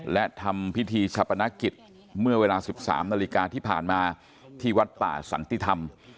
และทำพิธีชะปนกิจเมื่อเวลา๑๓นาฬิกาที่ผ่านมาที่วัดป่าสันติธรรม